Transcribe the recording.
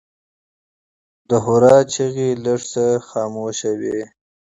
د هورا چیغې لږ څه خاموشه وې.